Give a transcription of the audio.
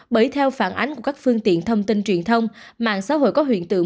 bởi theo phản ánh của các phương tiện thông tin truyền thông mạng xã hội có hiện tượng